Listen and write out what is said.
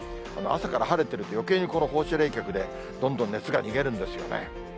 朝から晴れてると、よけいにこの放射冷却でどんどん熱が逃げるんですよね。